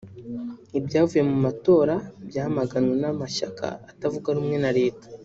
Ibyavuye mu matora byamaganywe n’amashyaka atavuga rumwe na leta